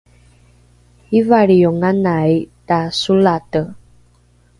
ivalrionganai tasolate